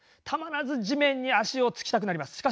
たまらず地面に足を着きたくなります。